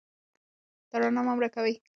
دا رڼا مه مړه کوئ.